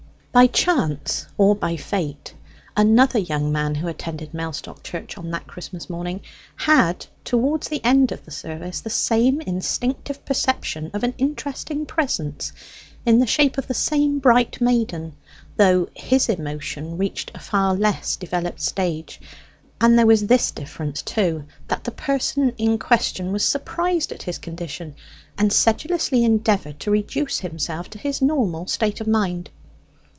By chance or by fate, another young man who attended Mellstock Church on that Christmas morning had towards the end of the service the same instinctive perception of an interesting presence, in the shape of the same bright maiden, though his emotion reached a far less developed stage. And there was this difference, too, that the person in question was surprised at his condition, and sedulously endeavoured to reduce himself to his normal state of mind.